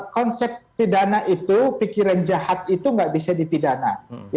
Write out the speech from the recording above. konsep pidana itu pikiran jahat itu nggak bisa dipidana